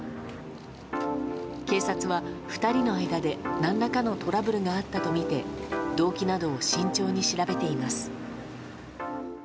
警察は２人の間で何らかのトラブルがあったとみて動機などを慎重に調べています。